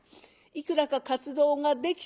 いくらか活動ができた。